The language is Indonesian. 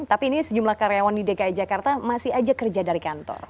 tapi ini sejumlah karyawan di dki jakarta masih aja kerja dari kantor